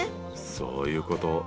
そういうこと。